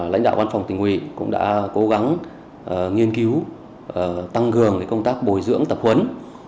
lãnh đạo văn phòng tỉnh ủy cũng đã cố gắng nghiên cứu tăng cường công tác bồi dưỡng tập huấn